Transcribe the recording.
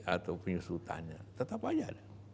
atau penyusutannya tetap saja